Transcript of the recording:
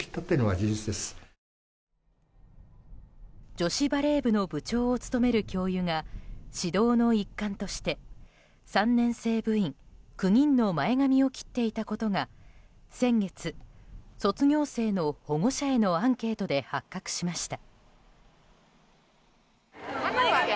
女子バレー部の部長を務める教諭が指導の一環として３年生部員９人の前髪を切っていたことが先月、卒業生の保護者へのアンケートで発覚しました。